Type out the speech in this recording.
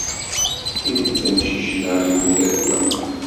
Deg tidet, amcic-nneɣ yemmut iḍelli.